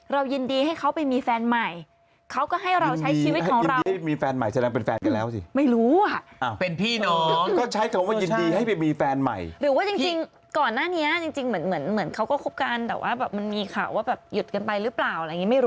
ยินดีให้เขาไปมีแฟนใหม่เขาก็ให้เราใช้ชีวิตของเรา